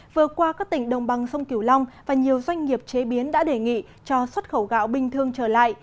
vừa qua các tỉnh đồng bằng sông kiều long và nhiều doanh nghiệp chế biến đã đề nghị cho xuất khẩu gạo bình thường trở lại